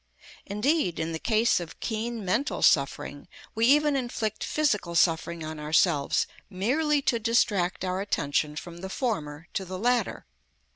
Indeed, in the case of keen mental suffering, we even inflict physical suffering on ourselves merely to distract our attention from the former to the latter.